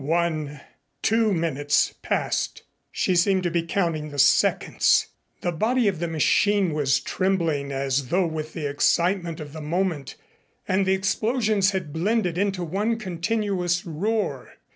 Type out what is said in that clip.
One two minutes passed she seemed to be counting the seconds. The body of the machine was trembling as though with the excitement of the moment and the explosions had blended into one continuous roar.